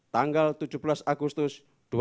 tanggal tujuh belas agustus dua ribu delapan belas